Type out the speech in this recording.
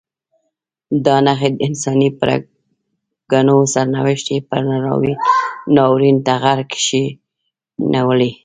دا نښې د انساني پرګنو سرنوشت یې پر ناورین ټغر کښېنولی.